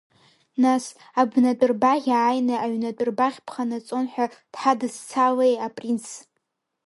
Нас, абнатә рбаӷь ааины аҩнатә рбаӷь ԥханаҵон ҳәа дҳадызцалеи апринц?!